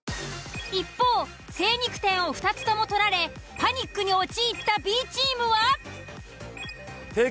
一方精肉店を２つとも取られパニックに陥ったＢチームは？